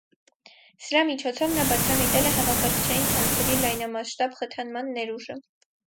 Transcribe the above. Սրա միջոցով նա բացահայտել է համակարգչային ցանցերի լայնամասշտաբ խթանման ներուժը։